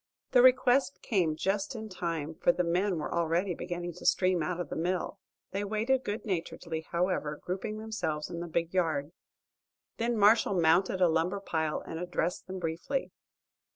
The request came just in time, for the men were already beginning to stream out of the mill. They waited good naturedly, however, grouping themselves in the big yard. Then Marshall mounted a lumber pile and addressed them briefly.